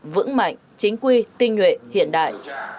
vững mạnh chính quy tinh nhuệ hiện đại